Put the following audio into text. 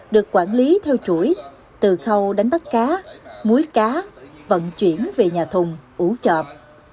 được quản lý theo chuỗi từ khâu đánh bắt cá muối cá vận chuyển về nhà thùng ủ chợp